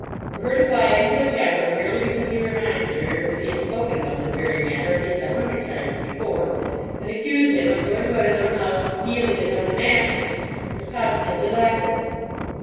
For her to fly into a temper merely because he reminded her that he had spoken about this very matter at least a hundred times before, and accuse him of going about his own house "stealing" his own matches was positively laughable.